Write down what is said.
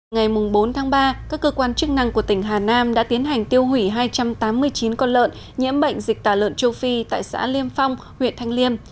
ngày bốn tháng ba các cơ quan chức năng của tỉnh hà nam đã tiến hành tiêu hủy hai trăm tám mươi chín con lợn nhiễm bệnh dịch tả lợn châu phi tại xã liêm phong huyện thanh liêm